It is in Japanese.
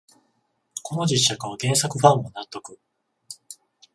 この実写化は原作ファンも納得